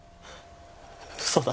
嘘だ。